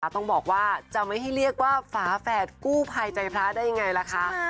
ต้องบอกว่าจะไม่ให้เรียกว่าฝาแฝดกู้ภัยใจพระได้ยังไงล่ะคะ